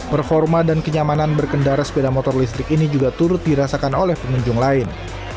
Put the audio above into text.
performa dan kenyamanan berkendara sepeda motor listrik ini juga turut dirasakan oleh pengunjung lain